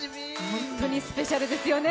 本当にスペシャルですよね